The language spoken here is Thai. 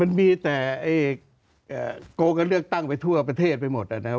มันมีแต่โกงกันเลือกตั้งไปทั่วประเทศไปหมดนะครับ